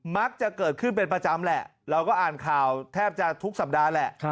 มักจะเกิดขึ้นเป็นประจำแหละเราก็อ่านข่าวแทบจะทุกสัปดาห์แหละ